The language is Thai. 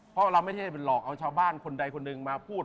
เพราะเราไม่ได้ไปหลอกเอาชาวบ้านคนใดคนหนึ่งมาพูด